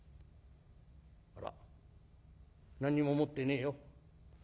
あら何にも持ってねえよ。